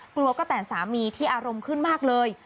กลัวก็แต่สามีที่อารมณ์ขึ้นมากเลย